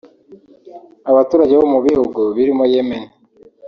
Abaturage bo mu bihugu birimo Yemen